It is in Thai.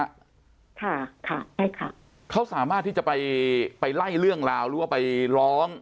ค่ะค่ะใช่ค่ะเขาสามารถที่จะไปไปไล่เรื่องราวหรือว่าไปร้อง